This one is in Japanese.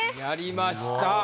やりました。